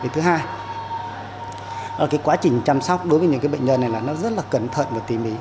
thứ hai quá trình chăm sóc đối với những bệnh nhân này là nó rất là cẩn thận và tỉ mỉ